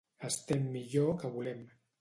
Estem millor que volem.